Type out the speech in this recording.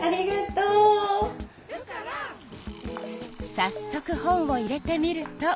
さっそく本を入れてみると。